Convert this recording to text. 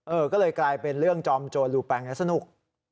เออก็เลยกลายเป็นเรื่องจอมโจรลูแปงสนุก